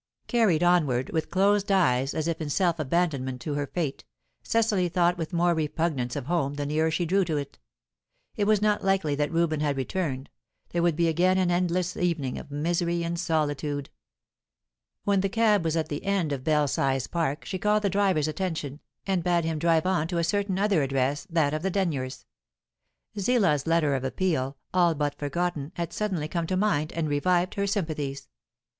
Carried onward, with closed eyes as if in self abandonment to her fate, Cecily thought with more repugnance of home the nearer she drew to it. It was not likely that Reuben had returned; there would be again an endless evening of misery in solitude. When the cab was at the end of Eel size Park, she called the driver's attention, and bade him drive on to a certain other address, that of the Denyers. Zillah's letter of appeal, all but forgotten, had suddenly come to mind and revived her sympathies.